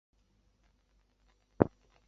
结果帕欧拉便开始笑。